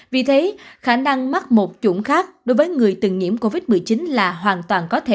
vì thế khả năng mắc một chuẩn khác đối với người từng nhiễm covid một mươi chín là hoàn toàn có thể